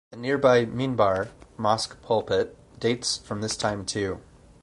The nearby "minbar" (mosque pulpit) dates from this time too.